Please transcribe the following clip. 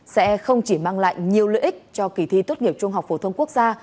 sẽ không chỉ mang lại nhiều lợi ích cho kỳ thi tốt nghiệp trung học phổ thông quốc gia